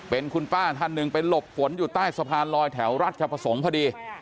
เป็นคุณป้าท่านหนึ่งไปหลบฝนอยู่ใต้สะพานลอยแถวราชประสงค์พอดี